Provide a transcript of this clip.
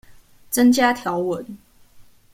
增加條文